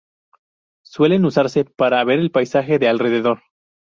Suelen usarse para ver el paisaje de alrededor.